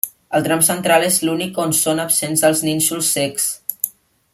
El tram central és l'únic on són absents els nínxols cecs.